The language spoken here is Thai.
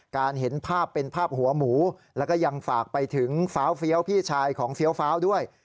เห็นภาพเป็นภาพหัวหมูแล้วก็ยังฝากไปถึงฟ้าเฟี้ยวพี่ชายของเฟี้ยวฟ้าวด้วย